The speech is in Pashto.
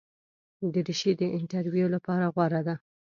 دریشي د انټرویو لپاره غوره ده.